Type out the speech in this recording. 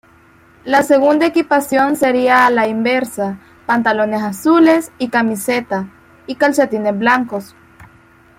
La segunda equipación sería a la inversa: pantalones azules y camiseta y calcetines blancos.